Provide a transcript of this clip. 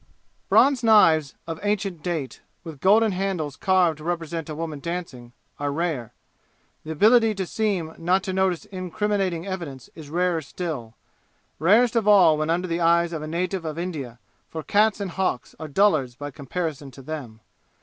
Bronze knives of ancient date, with golden handles carved to represent a woman dancing, are rare. The ability to seem not to notice incriminating evidence is rarer still rarest of all when under the eyes of a native of India, for cats and hawks are dullards by comparison to them.